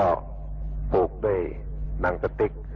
ว่านั้นถ้าออกไปใส่ถุงปลาสติค